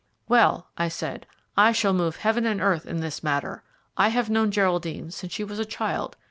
"Well," I said, "I shall move Heaven and earth in this matter. I have known Geraldine since she was a child.